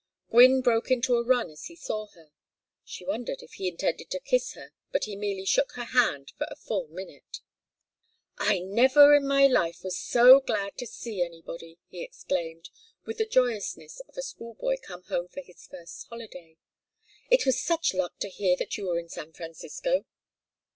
Gwynne broke into a run as he saw her. She wondered if he intended to kiss her, but he merely shook her hand for a full minute. "I never in my life was so glad to see anybody!" he exclaimed, with the joyousness of a school boy come home for his first holiday. "It was such luck to hear that you were in San Francisco."